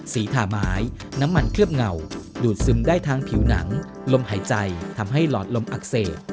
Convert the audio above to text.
ถ่าไม้น้ำมันเคลือบเงาดูดซึมได้ทางผิวหนังลมหายใจทำให้หลอดลมอักเสบ